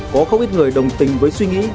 có không ít người đồng tình với suy nghĩ